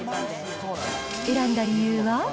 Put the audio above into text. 選んだ理由は。